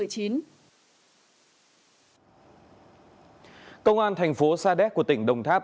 công an thành phố sa đéc của tỉnh đồng tháp